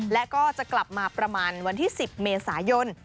และก็จะกลับมาประมาณวันที่๑๐เมษายน